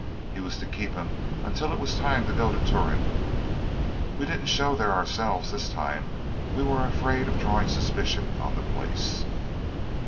He was to keep him until it was time to go to Turon. We didn't show there ourselves this time; we were afraid of drawing suspicion on the place.